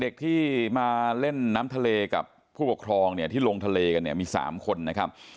เด็กที่มาเล่นน้ำทะเลกับผู้ปกครองเนี่ยที่ลงทะเลกันเนี่ยมี๓คนนะครับ